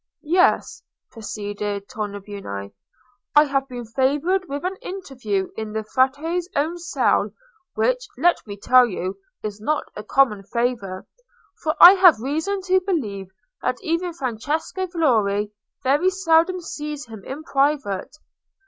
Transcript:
"Yes," proceeded Tornabuoni, "I have been favoured with an interview in the Frate's own cell, which, let me tell you, is not a common favour; for I have reason to believe that even Francesco Valori very seldom sees him in private.